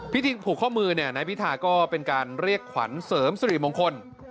พิธีผูกข้อมือนายพิธาก็เป็นการเรียกขวัญเสริมสิริมงคล